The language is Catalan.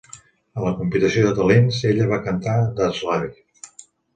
A la competició de talents, ella va cantar "That's Life".